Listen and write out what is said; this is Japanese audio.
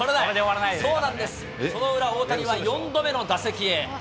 そうなんです、その裏、大谷は４度目の打席へ。